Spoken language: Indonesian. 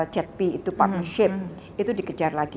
zp itu partnership itu dikejar lagi